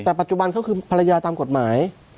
แต่ปัจจุบันเขาคือภรรยาตามกฎหมาย